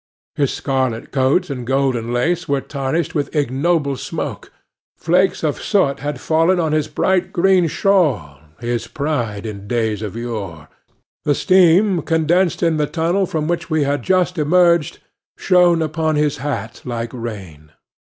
His scarlet coat and golden lace were tarnished with ignoble smoke; flakes of soot had fallen on his bright green shawl—his pride in days of yore—the steam condensed in the tunnel from which we had just emerged, shone upon his hat like rain.